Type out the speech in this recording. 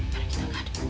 barang kita gak ada